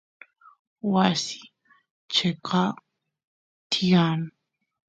wasiy cheqap tiyan